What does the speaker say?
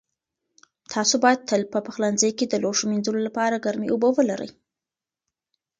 تاسو باید تل په پخلنځي کې د لوښو مینځلو لپاره ګرمې اوبه ولرئ.